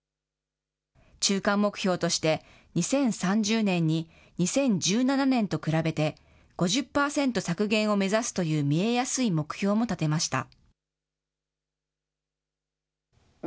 中間目標として、２０３０年に２０１７年と比べて、５０％削減を目指すという見えやすい目標も立てました。